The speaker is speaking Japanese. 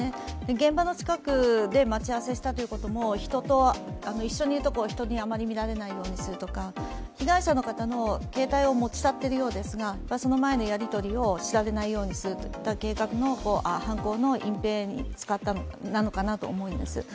現場の近くで待ち合わせしたということも、一緒にいるところを人にあまりに見られないようにするとか被害者の方の携帯を持ち去っているようですがその前のやり取りを知られないようにするといった、犯行の隠蔽に使ったのかなと思います。